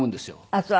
あっそう。